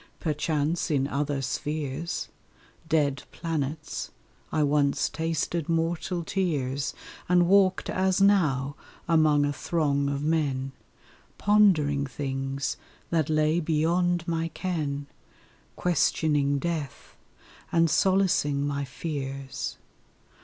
Perchance in other spheres Dead planets I once tasted mortal tears, And walked as now among a throng of men, Pondering things that lay beyond my ken, Questioning death, and solacing my fears.